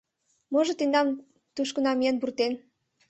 Можо тендам тушко намиен пуртен?